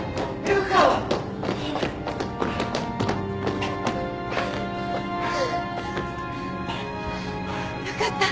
よかった！